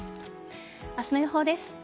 明日の予報です。